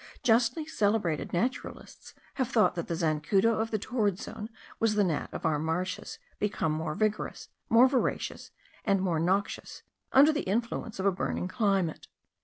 Justly celebrated naturalists have thought that the zancudo of the torrid zone was the gnat of our marshes, become more vigorous, more voracious, and more noxious, under the influence of a burning climate.